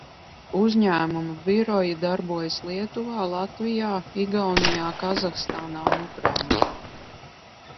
Uzņēmuma biroji darbojas Lietuvā, Latvijā, Igaunijā, Kazahstānā un Ukrainā.